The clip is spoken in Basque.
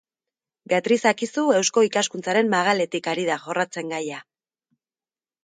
Beatriz Akizu Eusko Ikaskuntzaren magaletik ari da jorratzen gaia.